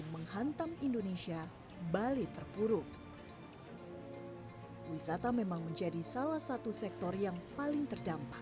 menghantam indonesia bali terpuruk wisata memang menjadi salah satu sektor yang paling terdampak